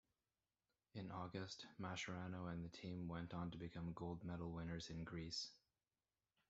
In August, Mascherano and the team went on to become gold medal-winners in Greece.